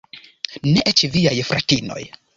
Ne eĉ viaj fratinoj.